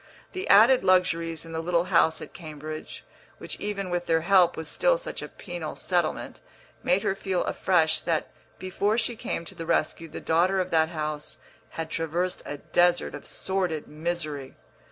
The added luxuries in the little house at Cambridge, which even with their help was still such a penal settlement, made her feel afresh that before she came to the rescue the daughter of that house had traversed a desert of sordid misery.